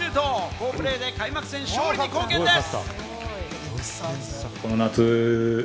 好プレーで開幕戦での勝利に貢献です！